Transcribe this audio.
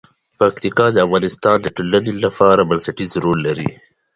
پکتیکا د افغانستان د ټولنې لپاره بنسټيز رول لري.